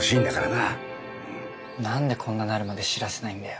なんでこんなになるまで知らせないんだよ。